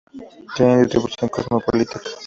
Tienen distribución cosmopolita.